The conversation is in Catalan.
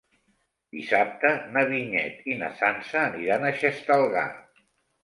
Dissabte na Vinyet i na Sança aniran a Xestalgar.